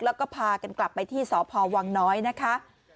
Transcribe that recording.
แล้วก็พากันกลับไปที่สพวังน้อยนะคะ